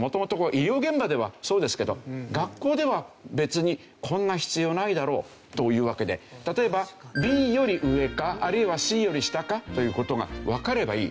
医療現場ではそうですけど学校では別にこんな必要ないだろうというわけで例えばＢより上かあるいはＣより下かという事がわかればいい。